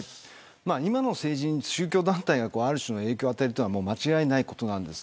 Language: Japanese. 今の政治に宗教団体がある種の影響を与えているのは間違いないことです。